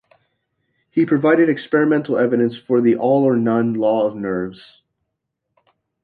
He provided experimental evidence for the all-or-none law of nerves.